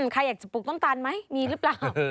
ใครอยากจะปลูกน้ำตาลไหมมีหรือเปล่า